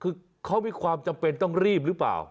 คือเขามีความจำเป็นต้องรีบหรือเปล่า